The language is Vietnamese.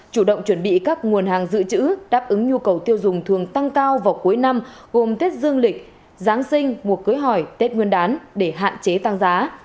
chủ động chuẩn bị các nguồn hàng dự trữ đáp ứng nhu cầu tiêu dùng thường tăng cao vào cuối năm gồm tết dương lịch giáng sinh mùa cưới hỏi tết nguyên đán để hạn chế tăng giá